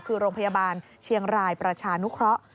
คือโรงพยาบาลเชียงรายประชานุเคราะห์